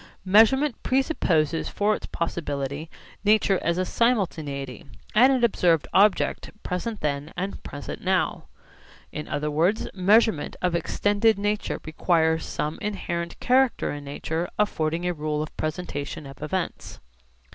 Measurement presupposes for its possibility nature as a simultaneity, and an observed object present then and present now. In other words, measurement of extended nature requires some inherent character in nature affording a rule of presentation of events.